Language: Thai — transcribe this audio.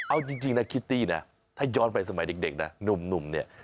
เอาจริงนะคิตตี้นะถ้าย้อนไปสมัยเด็กนะหนุ่มเนี่ย